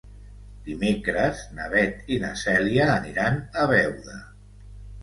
Dimecres na Beth i na Cèlia aniran a Beuda.